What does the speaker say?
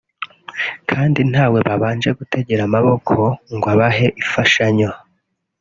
kandi ntawe babanje gutegera amaboko ngo abahe imfashanyo